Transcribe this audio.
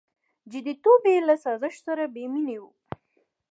• جديتوب یې له سازش سره بېمینه و.